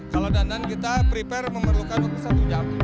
kalau dandan kita prepare memerlukan waktu satu jam